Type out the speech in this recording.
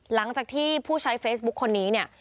หลังจากที่ผู้ใช้เฟซบุ๊คคนนี้เนี่ย